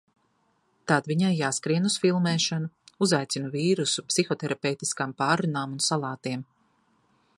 Tad viņai jāskrien uz filmēšanu. Uzaicinu vīru uz psihoterapeitiskām pārrunām un salātiem.